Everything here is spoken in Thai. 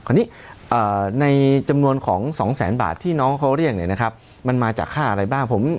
คราวนี้ในจำนวนของ๒แสนบาทที่น้องเขาเรียกเนี่ยนะครับมันมาจากค่าอะไรบ้าง